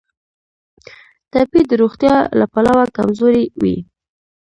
ټپي د روغتیا له پلوه کمزوری وي.